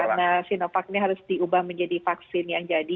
karena sinovac ini harus diubah menjadi vaksin yang jadi